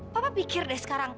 papa pikir deh sekarang